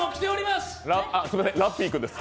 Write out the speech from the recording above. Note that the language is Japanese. すいません、ラッピー君です。